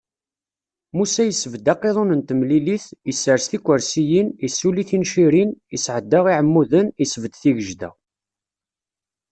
Musa yesbedd aqiḍun n temlilit, isers tikersiyin, issuli tincirin, isɛedda iɛmuden, isbedd tigejda.